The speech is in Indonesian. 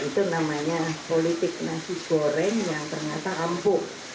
nah itu namanya politik nasi goreng yang ternyata ampuh